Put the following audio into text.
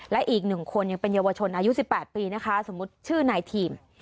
และอีก๑คนยังเป็นเยาวชนอายุ๑๘ปีนะคะสมมุติชื่อนายทีม